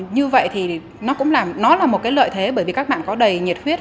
như vậy thì nó cũng là một cái lợi thế bởi vì các bạn có đầy nhiệt huyết